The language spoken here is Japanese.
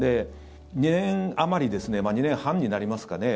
２年あまり２年半になりますかね。